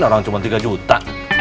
orang cuma tiga juta